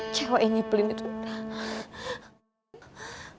cewek yang ngebelin itu udah